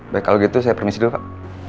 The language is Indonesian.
baik kalau gitu saya permisi dulu pak